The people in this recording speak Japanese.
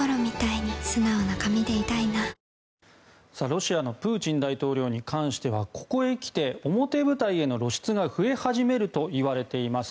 ロシアのプーチン大統領に関してはここへ来て表舞台への露出が増え始めるといわれています。